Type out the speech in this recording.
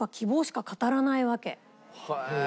へえ！